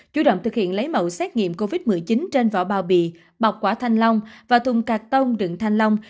chủ động thực hiện lấy mẫu xét nghiệm covid một mươi chín trên vỏ bao bì bọc quả thanh long và thùng cắt tông đựng thanh long